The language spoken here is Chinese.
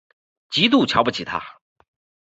极度瞧不起他